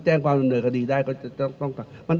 แจ้งความเหนื่อยคดีได้ก็จะต้องทำมันต้องทำอ่ะไม่งั้นไม่ไหว